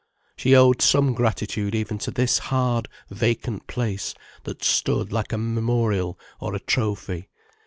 She owed some gratitude even to this hard, vacant place, that stood like a memorial or a trophy.